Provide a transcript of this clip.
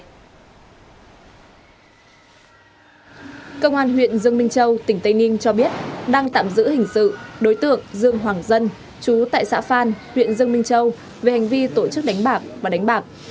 công an huyện dương minh châu tỉnh tây ninh cho biết đang tạm giữ hình sự đối tượng dương hoàng dân chú tại xã phan huyện dương minh châu về hành vi tổ chức đánh bạc và đánh bạc